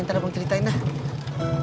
ntar abang ceritain lah